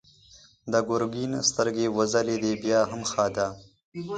د ګرګين سترګې وځلېدې: بيا هم ښه ده.